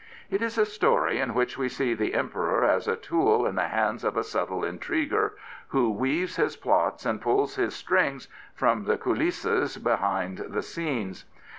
It is a story in which we see the Emperor as a tool in the hands of a subtle intriguer who weaves his plots and pulls his strings from the coulisses behind the scenes.